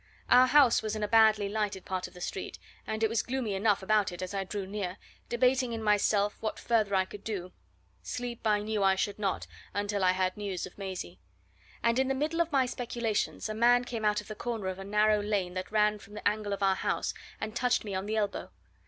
Our house was in a badly lighted part of the street, and it was gloomy enough about it as I drew near, debating in myself what further I could do sleep I knew I should not until I had news of Maisie. And in the middle of my speculations a man came out of the corner of a narrow lane that ran from the angle of our house, and touched me on the elbow.